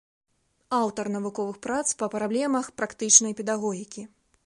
Аўтар навуковых прац па праблемах практычнай педагогікі.